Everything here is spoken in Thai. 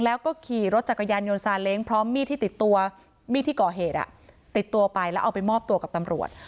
แล้วก็ขี่รถจักรยานยนต์ซาเล้งพร้อมมีดที่ติดตัวมีดที่ก่อเหตุติดตัวไปแล้วเอาไปมอบตัวกับตำรวจ